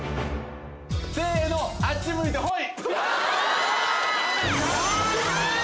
・せのあっち向いてホイ！